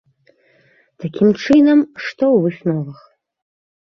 Такім чынам, што ў высновах?